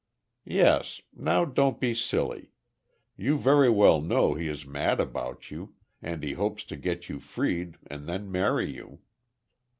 "Yes; now don't be silly. You very well know he is mad about you, and he hopes to get you freed and then marry you."